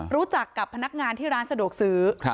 รู้จักกับพนักงานที่ร้านสะดวกซื้อ